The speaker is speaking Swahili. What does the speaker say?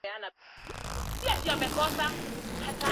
clause amesitikishwa na uamuzi wa mahakama